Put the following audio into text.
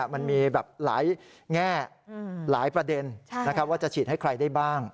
มันมีแบบหลายแง่หลายประเด็นว่าจะฉีดให้ใครได้บ้าง